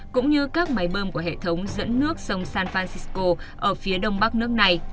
cũng như các máy bơm của hệ thống dẫn nước sông san francisco ở phía đông bắc nước này